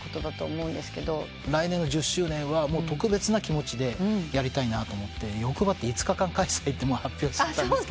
来年の１０周年は特別な気持ちでやりたいなと思って欲張って５日間開催って発表しちゃったんですけど。